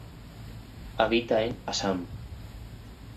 Habita en Assam.